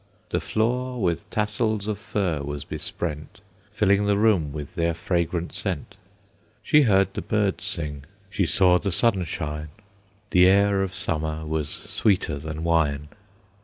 The floor with tassels of fir was besprent, Filling the room with their fragrant scent. She heard the birds sing, she saw the sun shine, The air of summer was sweeter than wine.